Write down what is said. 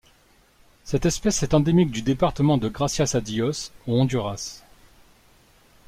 Cette espèce est endémique du département de Gracias a Dios au Honduras.